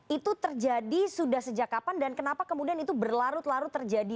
itu terjadi sudah sejak kapan dan kenapa kemudian itu berlarut larut terjadi